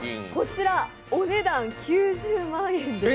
お値段は９０万円です。